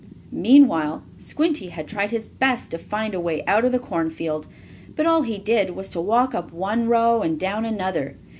Meanwhile Squinty had tried his best to find a way out of the cornfield. But all he did was to walk up one row, and down another.